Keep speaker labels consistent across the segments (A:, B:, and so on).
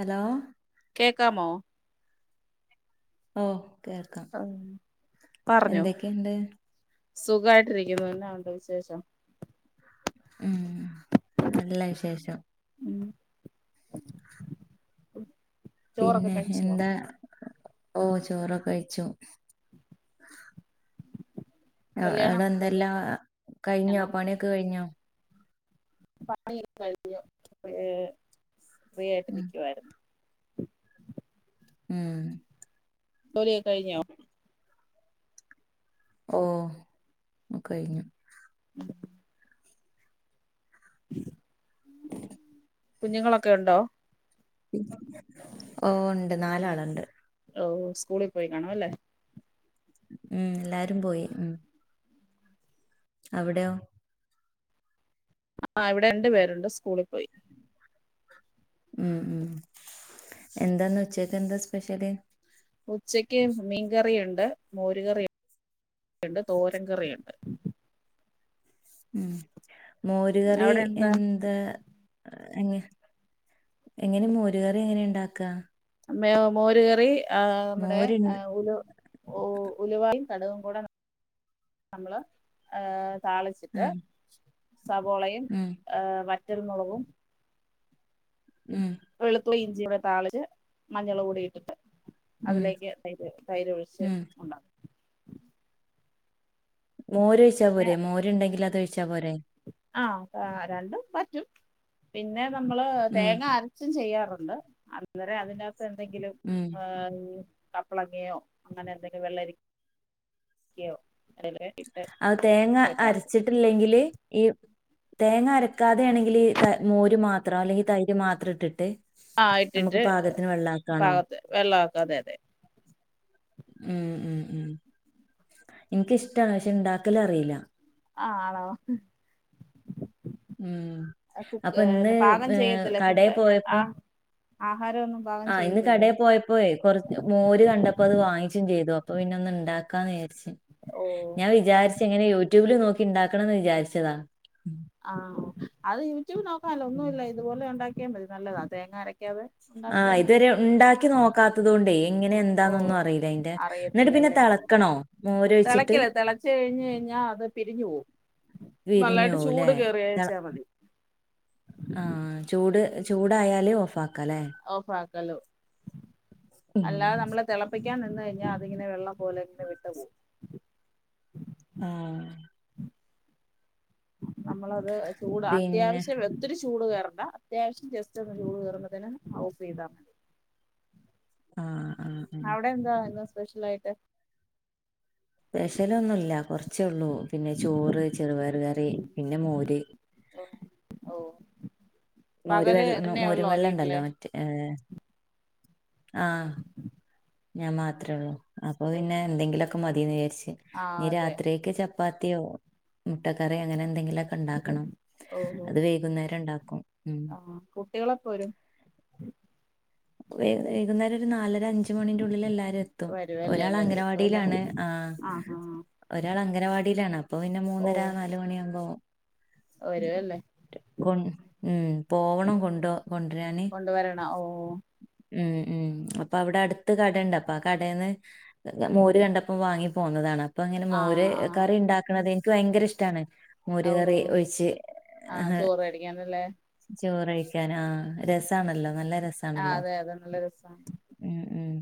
A: Hello
B: കേക്കാമോ?
A: ഓ കേൾക്കാം
B: പറഞ്ഞോ
A: ന്തൊക്കെണ്ട്.
B: സുഖായിട്ടിരിക്കുന്നു എന്നാ ഉണ്ട് വിശേഷം
A: ഉം നല്ല വിശേഷം
B: ഉം ചോറൊക്കെ
A: പിന്നെ
B: കഴിച്ചോ
A: എന്താ ഓ ചോറൊക്കെ കഴിച്ചു
B: കല്യാണം
A: അവ്ടെ
B: ഒക്കെ
A: എന്തെല്ലാം
B: കഴിഞ്ഞാണോ
A: കഴിഞ്ഞോ പണിയൊക്കെ കഴിഞ്ഞോ?
B: പണി ഒക്കെ കഴിഞ്ഞു
A: ഉം
B: ഫ്രീയായിട്ട്രിക്കുവായിരുന്നു.
A: ഉം
B: ലിയൊക്കെ കഴിഞ്ഞോ?
A: ഓ കഴിഞ്ഞു. [inaudible]
B: കുഞ്ഞുങ്ങളൊക്കെ ഉണ്ടോ?
A: ഓ ഉണ്ട് നാലാള്ണ്ട്.
B: ഓ സ്കൂളിൽ പോയി കാണും അല്ലേ
A: ഉം ല്ലാരും പോയി. അവടെയോ
B: ആഹ് ഇവിടെ രണ്ടു പേരുണ്ട് സ്കൂളി പോയി.
A: ഉം ഉം എന്താന്ന് ഉച്ചക്ക് എന്താ സ്പെഷ്യല്.
B: ഉച്ചക്ക് മീൻകറിയ്ണ്ട് മോര് കറിയുണ്ട് തോരൻകറിയുണ്ട്
A: ഉം മോരുകറി
B: അവിടെ എന്താ
A: എന്ത്‌ എ എങ്ങനെ മോര്കറി എങ്ങനെ ണ്ടാക്കാ
B: മ മോരുകറി ആ നമ്മടെ
A: മോര്
B: ഉലു ഓ ഉലുവായും കടുകും കൂടെ നമ്മള് ഏഹ്
A: ആ
B: താളിച്ചിട്ട് സവോളയും
A: ഉം
B: ഏ വറ്റൽമുളകും
A: ഉം
B: വെളുത്തുള്ളി ഇഞ്ചി ഒക്കെ താളിച്ച് മഞ്ഞൾ കൂടി ഇട്ടിട്ട്
A: ഉം
B: അതിലേക്ക് തൈര് തൈര് ഒഴിച്ച്
A: ഉം
B: ഉണ്ടാക്കും
A: മോരൊഴിച്ചാ
B: പിന്നെ
A: പോരേ മോര്ണ്ടെങ്കിൽ അതൊഴിച്ചാ പോരെ
B: ആഹ് രണ്ടും പറ്റും പിന്നെ നമ്മള്
A: ഉം
B: തേങ്ങര ച്ചും ചെയ്യാറുണ്ട് അരെ അതിനകത്ത് എന്തെങ്കിലും.
A: ഉം
B: കപ്പളങ്ങയോ അങ്ങനെ എന്തെങ്കിലും വെള്ളരിക്കയോ അല്ലല
A: അത് തേങ്ങ അരച്ചിട്ടില്ലെങ്കില് ഈ തേങ്ങ അരക്കാതെ ആണെങ്കിൽ മോര് മാത്രം അല്ലെങ്കിൽ തൈര് മാത്രം ഇട്ടിട്ട്.
B: ആഹ്
A: നമുക്ക്
B: ഇട്ടിട്ട്
A: പാകത്തിന് വെള്ളാക്കാണോ
B: പാകത്ത് വെള്ളമൊക്കെ അതെ അതെ
A: ഉം ഉം ഉം എനിക്കിഷ്ടമാണ് പക്ഷെ ണ്ടാക്കല് അറില്ല.
B: ആഹ് ആണാ
A: ഉം അപ്പൊ ഇന്ന്
B: കുക്ക്ന്ന പാകം
A: ഏഹ്
B: ചെയ്യത്തില്ലേ
A: കടയിൽ
B: ഫുഡ് ആഹ് ആഹാരോന്നും
A: ആഹ് ഇന്ന് കടയിൽ പോയപ്പോ കൊറച്ച് മോര് കണ്ടപ്പോ അത് വാങ്ങിച്ചും ചെയ്തു അപ്പൊ പിന്ന ഒന്ന് ഇണ്ടാക്ക. കാന്ന്
B: ഓഹ്
A: വിചാരിച്ഞാൻ വിചാരിച്ച എങ്ങനെ യൂട്യൂബില് നോക്കി ഉണ്ടാക്കണന്ന് വിചാരിച്ചതാ.
B: ആഹ് അത് യൂട്യൂബ് നോക്കാല്ലോ
A: ഉം
B: ഒന്നുല്ല ഇതുപോലെ ഉണ്ടാക്കിയാൽ മതി നല്ലതാ തേങ്ങ അരക്കാതെ. ഉണ്ടാക്കിയാ
A: ആഹ് ഇതുവരെ
B: നല്ലതാ
A: ഉണ്ടാക്കി നോക്കാത്തതോണ്ടേ. ഇങ്ങനെ എന്താന്നൊന്നും
B: ഓഹ്
A: അറിയില്ല അതിന്റെ എന്നിട്ട് പിന്നെ
B: അറിയത്തില്ലല്ലേ
A: തിളക്കണോ മോര് ഒഴിച്ചിട്ട്.
B: തിളക്കില്ല തിളച്ച് കഴിഞ്ഞ് കഴിഞ്ഞാ അത് പിരിഞ്ഞു പോവും നല്ലായിട്ട് ചൂട്
A: തെള
B: കയറിയയച്ചാൽ മതി.
A: ആഹ് ചൂട് ചൂടായാലേ ഓഫ് ആക്കാംല്ലേ.
B: ഓഫാക്കല്ലോ
A: ഉം
B: അല്ലാതെ നമ്മളെ തിളപ്പി കാൻനിന്ന് കഴിഞ്ഞാൽ അതിങ്ങനെള്ളം പോലെ ഇങ്ങെ വിട്ട പോവും.
A: ആഹ്
B: നമ്മളത് ചൂട്
A: പിന്നെ
B: അത്യാവശ്യം വ ഒത്തിരി ചൂട് കയറണ്ട അത്യാവശ്യം ജസ്റ്റ് ഒന്ന് ചൂട് കയറുന്നതിന് ഓഫ് ചെയ്താൽ മതി.
A: ആഹ് ആഹ് ആഹ്
B: അവിടെന്തായിന്നു സ്പെഷ്യൽ ആായിട്ട്.
A: പെശലൊന്നുമില്ല കുറച്ചള്ളൂ പിന്നെ ചോറ് ചെറുപയർ കറി പിന്നെ മോര്.
B: ഓഹ് ഓഹ്
A: മോര്
B: പകല്
A: വെള്ള മോരും
B: തന്നെയുള്ളോ
A: വെള്ളംണ്ടല്ലോ
B: വീട്ടില്
A: മറ്റേ ആഹ് ഞാൻ മാത്രേള്ളൂ അപ്പൊ
B: ഓഹ്
A: പിന്നെ എന്തെങ്കിലുമൊക്കെ മതിന്ന് വിചാരിച്ച്
B: ആഹ്
A: ഇ
B: അതെ
A: രാത്രി. ചപ്പാത്തിയോ മുട്ടക്കറിയോ അങ്ങനെ എന്തെങ്കിലും ഒക്കെ ഉണ്ടക്കണം
B: ഓഹ് ഓഹ്
A: അത് വൈകുന്നേരം ഉണ്ടാക്കും ഉം
B: കുട്ടികളെപ്പോവരും
A: വ വൈകുന്നേരം ഒരു നാലര അഞ്ച ' മണിന്റെ ഉള്ളിൽ എല്ലാവാരും എതു തും
B: വരുവല്ലേ
A: ഒരാൾ
B: എല്ലാരും ഇപ്പ അല്ലേ
A: അംഗനവാടിയിലാണ് ആഹ് ഒരാൾ അംഗനവാടിയിലാണ് അപ്പൊ പിന്നെ
B: ഓ
A: മൂന്നര നാല് മണിയാകുമ്പോ.
B: വരുവല്ലേ
A: കൊ ഉം പോവണം കൊണ്ട കൊണ്ട്രാന്
B: ന്നഓഹ്
A: ഉം ഉം അപ്പൊ അവിടെ അടുത്ത് കട ഉണ്ട് അപ്പൊ ആ കടേന്ന്. മോര് കണ്ടപ്പോം വാങ്ങി പോുന്നതാണ് അപ്പ അങ്ങനെ മോര്
B: ആഹ് ആഹ്
A: കറി ഉണ്ടാക്കണത് എനിക്ക് ഭയങ്കര ഇഷ്ടമാണ്.
B: ഓഹോ
A: മോരുകറി ഒഴിച്ച് ആഹ്
B: ചോറ് കഴിക്കാനല്ലേ
A: ചോറഴിക്കാൻ ആഹ് രസാണല്ലോ നല്ല.
B: ആഹ്
A: രസാണല്ലോ
B: അതെ അതെ നല്ല രസമാണ്.
A: ഉം ഉം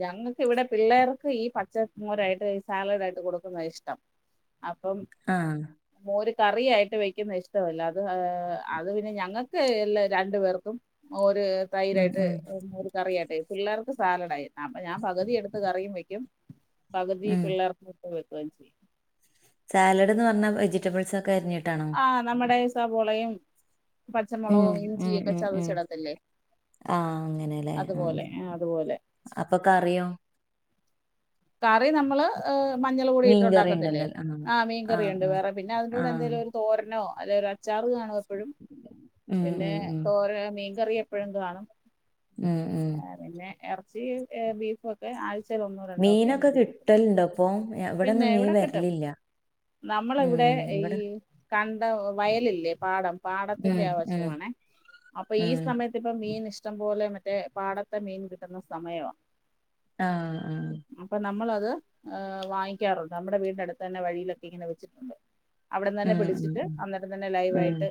B: ഞങ്ങൾക്ക് ഇവിടെ പിള്ളേർക്ക് ഈ പച്ചമോരായിട്ട് ഈ സാലഡ് ആയിട്ട് കൊടുക്കുന്നതാണ്ഇഷ്ടം. അപ്പം
A: ആഹ്
B: മോര് കറി ആയിട്ട് വയ്ക്കുന്ന ഇഷ്ടമല്ല അത് അത് പിന്നെ ഞങ്ങൾക്ക് എല്ല രണ്ടു പേർക്കും. ഓര്
A: ഉം
B: തൈരായിട്ട്
A: ഉം
B: ഒരു കറിയായിട്ട് പിള്ളേർക്ക് സാലഡായി അപ്പൊ ഞാൻ പകുതിയെടുത്ത് കറിയും വെക്കും. പകുതി
A: ഉം
B: പിള്ളേർക്ക് വെക്കും ചെയ്യും.
A: സാലഡ് എന്ന് പറഞ്ഞാ വെജിറ്റബിൾസ് ഒക്കെ അരിഞ്ഞിട്ടാണോ?
B: ആഹ് നമ്മുടെ സവോളയും
A: ഉം
B: പച്ചമുളകവും
A: ഉം
B: ഇഞ്ചിയൊക്കെ
A: ഉം ഉം
B: ചതച്ചിടത്തില്ലേ.
A: ആ
B: അതുപോലെ ആഹ് അതുപോലെ
A: അപ്പ കറിയോ?
B: കറി നമ്മള് ഏഹ് മഞ്ഞള് പൊടി ഇട്ട്
A: മീൻ കറി
B: ഒണ്ടാക്കത്തില്ലേ
A: ഉണ്ടല്ലോ
B: ആഹ്
A: ആ ആ
B: മീൻകറിയൊണ്ട് വേറെ പിന്നെ
A: ആ ആ
B: അതിൻ്റൂടെ എന്തേലും ഒരു തോരനോ അതെ ഒരാ ച്ചാറ് കാണും എപ്പഴും
A: ഉം
B: പിന്നെ
A: ഉം ഉം
B: തോരൻ, മീൻകറി എപ്പഴും കാണും
A: ഉം ഉം
B: പിന്നെ എർച്ചി ഏഹ് ബീഫും ഒക്കെ ആഴ്ച്ചേൽ ഒന്നോ രണ്ടോ ഒക്കെ
A: മീനൊക്കെ കിട്ടലുണ്ട് അപ്പൊ ഇവിടെ
B: പിന്നെ
A: ഒന്നും മീൻ
B: ഇവിട കിട്ടും.
A: വരലില്ല
B: നമ്മള ഇവിടെ ഈ കണ്ടം വയലില്ലേ പാടം
A: ഉം
B: പാടത്തിന്റെ
A: ഉം
B: ആവശമാണെ. അപ്പൊ ഈ
A: ഉം
B: സമയത്ത് ത്ത് ഇപ്പം മീൻ ഇഷ്ടം പോലെ മറ്റേ പാടത്തെ മീൻ കിട്ടുന്ന സമയാ
A: ആഹ് ആഹ്
B: അപ്പം നമ്മളത് ആഹ് വാങ്ങിക്കാറൊണ്ട്. അമ്മുടെ വീടിന്റെടുത്ത് തന്നെ വഴിയിലൊക്കെ ഇങ്ങനെ വെച്ചിട്ടൊണ്ട്. അവിടന്നന്നെ
A: ഉം ഉം
B: പിടിച്ചിട്ട്
A: ഉം
B: അന്നേരം തന്നെ
A: ഉം
B: ലൈവായിട്ട്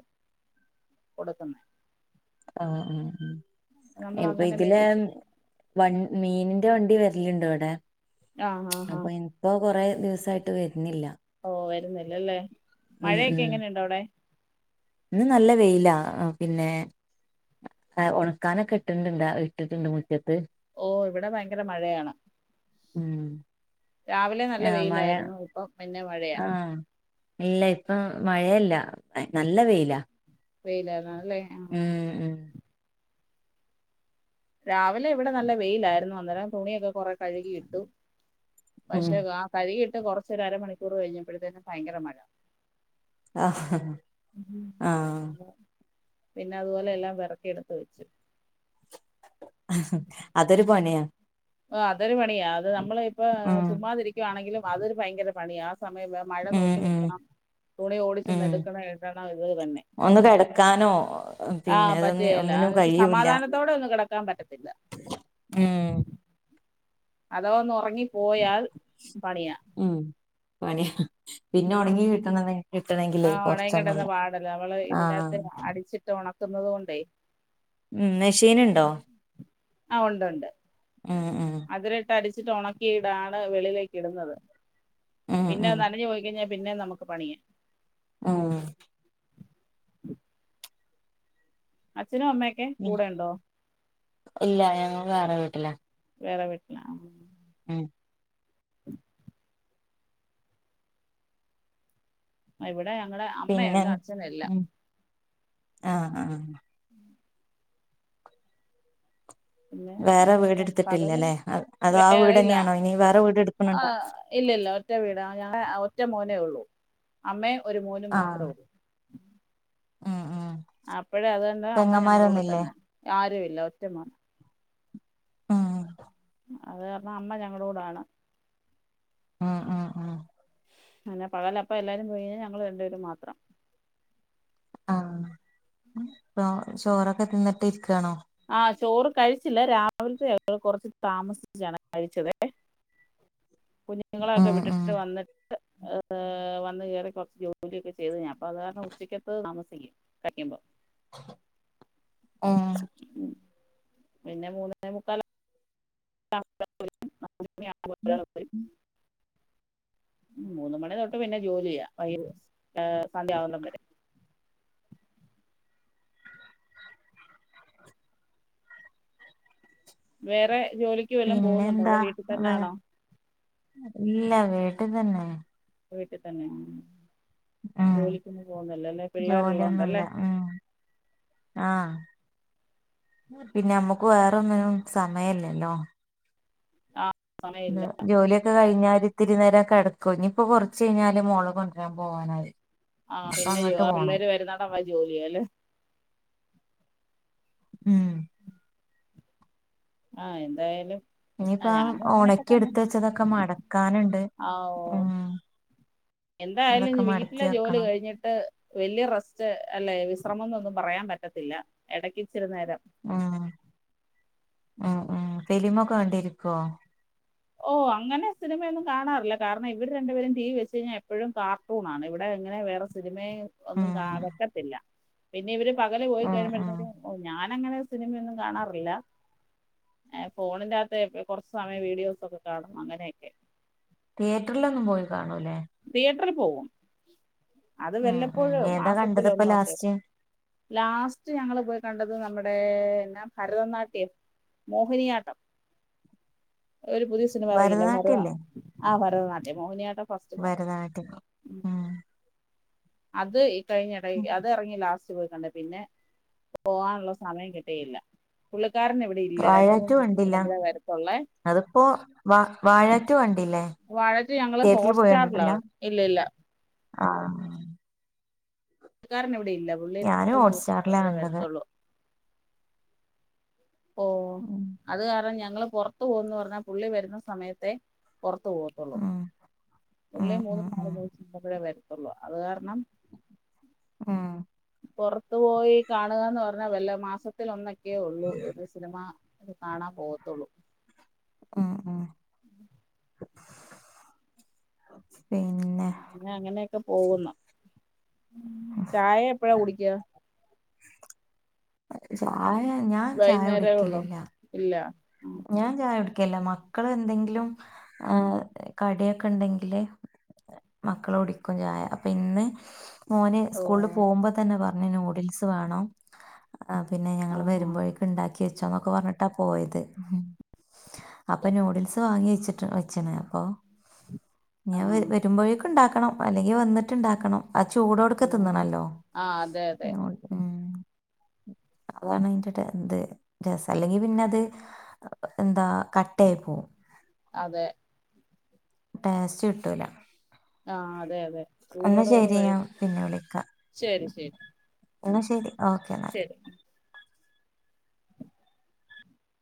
B: കൊട്ക്കുന്നേ
A: ആഹ് ആഹ് ഉം
B: നമ്മൾ
A: ഇപ്പ
B: അങ്ങനെ
A: ഇതിലേ
B: മേടിച്ചു
A: വൺ മീനിന്റെ വണ്ടി വര്ല്ണ്ട് ഇവടെ
B: ആഹ് ആഹ്
A: അപ്പൊ
B: ആഹ്
A: എൻ ഇപ്പൊ കൊറേ ദിവസായിട്ട് വര്ന്നില്ല.
B: ഓഹ് വരുന്നില്ലല്ലേ മഴയെക്കെ
A: ഉം
B: എങ്ങനെണ്ട് അവ്ടെ
A: ഇന്ന് നല്ല വെയിലാ ആഹ് പിന്നെ ആഹ് ഒണക്കാനൊക്കെ ഇട്ട്ണ്ടണ്ട് ഇട്ടിട്ടൊണ്ട് മുറ്റത്ത്
B: ഓ ഇവിടെ ഭയങ്കര മഴയാണ്
A: ഉം
B: രാവിലെ നല്ല
A: ആ, മഴ
B: വെയിലാര്ന്നു ഇപ്പ പിന്നെ മഴയാ
A: ആ ഇല്ല ഇപ്പം മഴയല്ല നല്ല വെയ്ലാ.
B: വെയിലാര്ന്നാ ല്ലേ
A: ഏഹ്
B: രാവിലെ ഇവടെ നല്ല വെയിലാര്ന്നു. അന്നേരം തുണിയൊക്ക കൊറേ കഴുകി ഇട്ടു
A: ഉം
B: പശേ കാ കഴ്കി ഇട്ട് കൊറച്ച് ഒരു അരമണിക്കൂറ് കഴിഞ്ഞപ്പോഴ്ത്തേന് ഭയങ്കര മഴ
A: ആ ആ
B: പിന്ന അതുപോലെ എല്ലാം പെറക്കിയെടുത്ത് വെച്ചു.
A: അതൊരു പണിയാ
B: ഓഹ് അതൊരു പണിയാ അത് നമ്മള് ഇപ്പ
A: ഉം
B: ചുമ്മാതിരിക്കാണെങ്കിലും അതൊരു ഭയങ്കര പണിയാ ആ സമയം വേം മഴ
A: ഉം
B: നോക്കി
A: ഉം
B: നിക്കണം. തുണി
A: ഉം
B: ഓടിച്ചെന്നെടുക്കണം ഇടണം ഇത് തന്നെ
A: ഒന്ന് കിടക്കാനോ പിന്നെ
B: ആഹ്
A: അതൊന്ന്
B: പറ്റുകേല്ല
A: ഒന്നിനും
B: [unintelligible] സമാധാനത്തോടെ ഒന്നും കെടക്കാൻ പറ്റത്തില്ല.
A: ഏഹ്
B: അധവാ ഒന്ന് ഒർങ്ങി പോയാൽ പണിയാ
A: ഉം പണ്യ പിന്നെ ഒണങ്ങി
B: ഉം
A: കിട്ടണന്ന് കിട്ടണെങ്കിലേ
B: ആഹ് ഉണങ്ങി
A: കൊർച്ചൊന്നു
B: കിടന്ന
A: അല്ല ആഹ്
B: ഇട്ട് ഒണക്കുന്നത് കൊണ്ടെ
A: ഉം മെഷീന് ണ്ടോ
B: ആഹ് ഒണ്ട് ഒണ്ട്
A: ഉം ഉം
B: അതിലിട്ടടിച്ചിട്ട് ഒണക്കിയിടാ ആണ് വെളീലേക്ക് ഇടുന്നത്.
A: ഉം
B: പിന്നെ
A: ഉം
B: നനഞ്ഞു പോയി കഴിഞ്ഞാ പിന്നെ നമുക്ക് പണിയാ
A: ആഹ്
B: അച്ഛനും അമ്മേക്കെ കൂടേണ്ടോ?
A: ഇല്ല ഞങ്ങൾ വേറ വീട്ടിലാ
B: വേറെ വീട്ടിലാ
A: ഉം
B: ഇവടെ ഞങ്ങടെ
A: പിന്നെ
B: അമ്മയൊണ്ട് അച്ഛനില്ല
A: ഉം ആഹ് ആഹ്
B: പിന്നെ
A: വേറെ
B: ഞങ്ങള് പകല്
A: വീടെടുത്തിട്ടില്ലല്ലേ അതോ ആ വീടെന്നെയാണോ ഇനി വേറെ വീടെടുക്കുന്നുണ്ടോ?
B: ഇല്ലല്ല ഒറ്റ വീട ഞ ഒറ്റ മോനേ ഉള്ളൂ അമ്മേ ഒരു മോനും മാത്ര
A: ആഹ്
B: ഉള്ളൂ.
A: ഉം ഉം
B: അപ്പഴാ അതുകൊണ്ട് അമ്മ ഞങ്ങളുടെ കൂടെ
A: പെങ്ങന്മാരൊന്നുല്ലേ
B: തന്നെയാണ് ആരുമില്ല ഒറ്റ മോന.
A: ആഹ്
B: അത് കാരണം അമ്മ ഞങ്ങളുടെ കൂടാണ്.
A: ആഹ് ആഹ് ആഹ്
B: പിന്നെ പകല് അപ്പ എല്ലാരും പോയി കഴിഞ്ഞാ ഞങ്ങള് രണ്ട് പേരും മാത്രം.
A: ആഹ് പ്പൊ ചോറൊക്കെ തിന്നിട്ട് ഇരിക്കയാണോ?
B: ആഹ് ചോറ് കഴിച്ചില്ല രാവിലത്തെ കൊറച്ച് താമസിച്ചാണ് കഴിച്ചതെ. ഒന് കുഞ്ഞുങ്ങളൊക്കെ വിട്ടിട്ട് വന്നിട്ട് വന്ന് കയറി കുറച്ച് ജോലിയൊക്കെ ചെയ്ത് ഞാൻ. അപ്പൊ അത് കാരണം ഉച്ചക്കത്ത് താമസിക്കും കഴിക്കുമ്പോ.
A: ഉം
B: ഉം പിന്നെ മുന്നേമുക്കാല് ആക്കു ബൊതെക്കും [unintelligible]
A: ഉം
B: [unintelligible] ഉം മൂന്ന് മണി തൊട്ട് പിന്നെ ജോലിയാ വൈക സന്ധ്യാവുനിടം വരെ. വേറെ ജോലി
A: പിന്നെ എന്താ ഇല്ല വീട്ടിൽ തന്നെ.
B: വീട്ടിൽ തന്നെ ജോലിക്കൊന്ന പോകുന്നല്ലേ അല്ല
A: ജോലിയൊന്നുല്ല
B: പിള്ളേരുള്ളതോണ്ടല്ലേ.
A: ഉം ആഹ് പിന്നെ നമ്മുക്ക് വേറൊന്നിനും സമയല്ലല്ലോ.
B: ആഹ്
A: [unintelligible] ജോലിയൊക്കെ കഴിഞ്ഞാല് ഇത്തിരി നേരം ക്കെടക്കൊ ഇനിയിപ്പോ കുറച്ച് കഴിഞ്ഞാല് മോളെ കൊണ്ടുവരാൻ പോകാനായി.
B: ആഹ് പിന്നെ ജൂ വേറെള്ളോര് വരുന്നെടം വരെ ജോലിയാ ല്ലേ
A: ഉം
B: ആഹ് എന്തായാലും.
A: ഇനിയിപ്പ
B: ഞാനും
A: ആ
B: അങ്ങനെയൊക്കെ
A: ഒണക്കി
B: തന്നെ
A: എടുത്ത് വെച്ചതൊക്കെ മടക്കാനുണ്ട്
B: ആ ഓ
A: ഉം
B: എന്തായാലും
A: അതൊക്കെ
B: നി വീട്ടിലെ
A: മടക്കി
B: ജോലി
A: വെക്കണം
B: കഴിഞ്ഞിട്ട്. ട്ട് വലിയ റെസ്റ്റ് അല്ലെ വിശ്രമം എന്നൊന്നും പറയാൻ പറ്റത്തില്ല എടക്കിച്ചിരിനേരം.
A: ആഹ് ആഹ് ആഹ് ഫിലിമൊക്കെ കണ്ടിരിക്കുവോ?
B: ഓ അങ്ങനെ സിനിമയൊന്നും കാണാറില്ല കാരണം ഇവിടെ രണ്ടുപേരും ടി വി വെച്ച് കഴിഞ്ഞാൽ എപ്പോഴും കാർട്ടൂൺ ആണ് ഇവിടെ അങ്ങനെ വേറെ. സിനിമ ഒന്നും
A: ഉം
B: വെക്കത്തില്ല പിന്നെ ഇവര് പകല് പോയി
A: ഉം
B: കഴിയുമ്പോഴേ
A: ഉം
B: ക്കും ഞാനങ്ങനെ. സിനിമയൊന്നും കാണാറില്ല ഫോണിന്റകത്ത് കുറച്ച് സമയം വീഡിയോസ്. ഒക്കെ കാണും അങ്ങനെയൊക്കെ.
A: തിയേറ്ററിലൊന്നും പോയി കാണൂല്ലേ?
B: തിയേറ്ററിൽ പോകും അത്
A: ഉം ഉം
B: വല്ലപ്പോഴും
A: ഏതാ കണ്ടത്
B: മാസത്തില്
A: ഇപ്പ
B: ഒന്നൊക്കെ.
A: ലാസ്റ്റ്
B: ലാസ്റ്റ് ഞങ്ങള് പോയി കണ്ടത് നമ്മുടെ എന്നാ ഭരതനാട്യം. മോഹിനിയാട്ടം. ഒരു പുതിയ സിനിമ ഇറങ്ങില്ലേ ഭരത
A: ഭരതനാട്യല്ലേ
B: ആ ഭരതനാട്യം മോഹിനിയാട്ടം ഫ
A: ഭരതനാട്യം. ഉം
B: അത്യ്കഴിഞ്ഞ എടയിൽ അത് ഇറങ്ങി ലാസ്റ്റ് ലാസ്റ്റ് പോയി കണ്ടെ പിന്നെ പോകാനുള്ള സമയം കിട്ടിയില്ല പുള്ളിക്കാരനിവിടെ.
A: വാഴ റ്റു കണ്ടില്ല അതിപ്പോ വാഴ റ്റു കണ്ടില്ലേ?
B: വാഴ റ്റു ഞങ്ങള്
A: തിയേറ്ററിൽ
B: ഹോട്ട്
A: പോയി
B: സ്റ്റാറിലാ
A: കണ്ടിട്ടില്ല
B: ക ഇല്ല ഇല്ല.
A: ആഹ്
B: പുള്ളിക്കാരൻ ഇവിടെ ഇല്ല പുള്ളി
A: ഞാനും
B: [unintelligible] ദിവസം
A: ഹോട്ട്സ്റ്റാറിലാ
B: കൂടുമ്പഴെ
A: കണ്ടത്
B: വരത്തൊള്ളൂ. ഓഹ്
A: ഉം
B: അത് കാരണം ഞങ്ങള് പൊർത്ത് പോകുന്ന് പറഞ്ഞാ പുള്ളി വര്ന്ന സമയത്തെ പൊർത്ത് പോവത്തൊള്ളൂ
A: ഉം
B: പുള്ളി
A: ഉം ഉം
B: മൂന്നും നാല്
A: ഉം
B: ദിവസം കൂടുമ്പളേ വരത്തൊള്ളൂ അത് കാരണം
A: ഉം
B: പൊർത്തുപോയി കാണുകാന്ന് പറഞ്ഞാ വല്ല മാസത്തിലൊന്നെക്കെ ഒള്ളൂ ഒരു സിനിമ കാണാൻ പോവത്തൊള്ളൂ
A: ഉം ഉം പിന്നെ
B: അ അങ്ങനെക്കെ പോകുന്നു ചായ എപ്പഴാ കുടിക്ക
A: ചായ ഞാൻ ചായ കുടിക്കലില്ല
B: ഇല്ലാ
A: ഞാൻ ചായ കുടിക്കലില്ല മക്കള് എന്തെങ്കിലും ആഹ് കടിക്കെണ്ടെങ്കില് മക്കള് കുടിക്കും ചായ അപ്പ ഇന്ന് മോന്
B: ഓ
A: സ്കൂളില് പോവുമ്പോതന്നെ പർഞ്ഞ് നൂഡിൽസ് വേണം ആ പിന്നെ ഞങ്ങള്
B: ആഹാ
A: വരുമ്പഴേക്ക്‌ ഇണ്ടാക്കി വെച്ചോന്നൊക്കെ പർഞ്ഞ്ട്ടാ പോയത് അപ്പ നൂഡിൽസ് വാങ്ങിവെച്ച്ട്ട് വെച്ച്ണ് അപ്പൊ ഞ്ഞിഅത്
B: ആഹ്
A: വരുമ്പോഴേക്ക്‌ണ്ടാക്കണം. അല്ലെങ്കി വന്ന്ട്ട്ണ്ടാക്കണം. ആ ചൂടോട്ക്കെ
B: ഓ
A: തിന്നണല്ലോ
B: ആ അതെ അതെ
A: നൂ ഉം അതാണയ്ന്റെ ട്ടെ ത് രസ അല്ലെങ്കി പിന്നെ അത് എഹ് എന്താ കട്ടയായി പോവും
B: അതെ
A: ടേസ്റ്റ് കിട്ടൂല
B: ആഹ് അതെ അതെ
A: ന്നാ
B: ചൂടോടെ കൂടെ
A: ശരി
B: കഴി
A: ഞാൻ പിന്നെ വിളിക്കാ
B: ശരി
A: ന്നാ ശരി ഓക്കെ എന്നാൽ
B: ശെരി